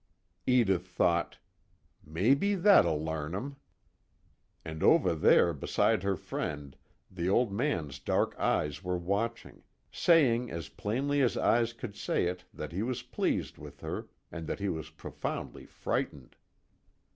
Edith thought: Maybe that'll larn him. And over there beside her friend, the Old Man's dark eyes were watching, saying as plainly as eyes could say it that he was pleased with her, and that he was profoundly frightened.